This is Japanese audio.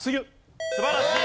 素晴らしい。